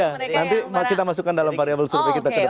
ya nanti kita masukkan dalam variable survei kita ke depan